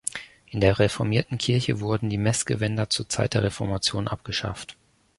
In der reformierten Kirche wurden die Messgewänder zur Zeit der Reformation abgeschafft.